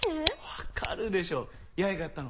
わかるでしょ八重がやったの？